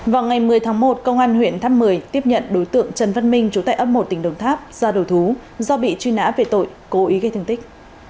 vào ngày một mươi tháng một công an huyện tháp mười tiếp nhận đối tượng trần văn minh trú tại ấp một tỉnh đồng tháp ra đổi thú do bị truy nã về tội cố ý gây thương tích